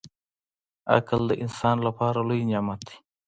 • عقل د انسان لپاره لوی نعمت دی.